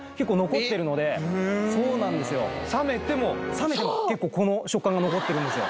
冷めても結構この食感が残ってるんですよ